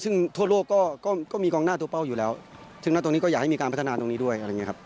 ซึ่งทั่วโลกก็มีกองหน้าตัวเป้าอยู่แล้วซึ่งหน้าตรงนี้ก็อยากให้มีการพัฒนาตรงนี้ด้วยอะไรอย่างนี้ครับ